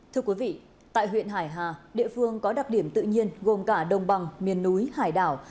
thưa quý vị tại huyện hải hà địa phương có đặc điểm tự nhiên gồm cả đồng bằng miền núi hải đảo